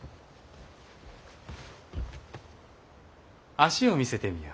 脚を見せてみよ。